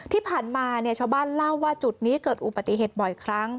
ที่ผ่านมาชาวบ้านเล่าว่าจุดนี้เกิดอุบัติเหตุบ่อยครั้ง